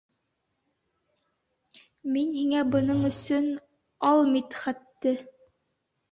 Мин һиңә бының өсөн... ал Мидхәтте!